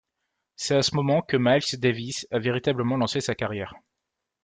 C'est à ce moment que Miles Davis a véritablement lancé sa carrière.